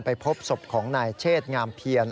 พบศพของนายเชษงามเพียร